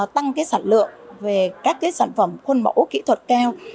tăng sản lượng về các sản phẩm khuôn mẫu kỹ thuật cao